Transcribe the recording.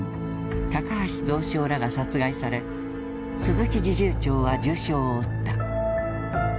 高橋蔵相らが殺害され鈴木侍従長は重傷を負った。